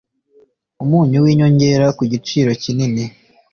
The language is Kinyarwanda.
umunyu winyongera ku giciro cyinini